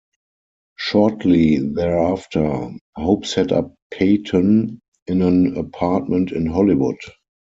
Shortly thereafter, Hope set up Payton in an apartment in Hollywood.